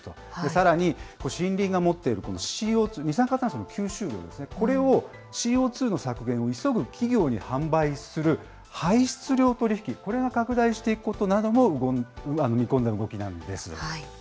さらに、森林が持っているＣＯ２、二酸化炭素の吸収量ですね、これをＣＯ２の削減を急ぐ企業に販売する排出量取り引き、これが拡大していくことなども見込んだ動きなんです。